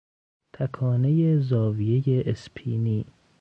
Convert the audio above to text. تکانهی زاویهی اسپینی